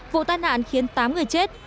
vụ tai nạn khiến tám người chết